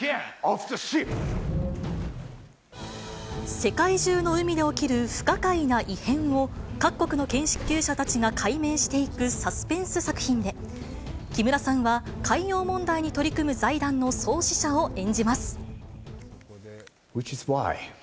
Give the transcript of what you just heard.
世界中の海で起きる不可解な異変を、各国の研究者たちが解明していくサスペンス作品で、木村さんは海洋問題に取り組む財団の創始者を演じます。